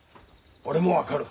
俺も分かる。